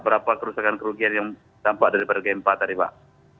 berapa kerusakan kerugian yang dampak dari g empat tadi pak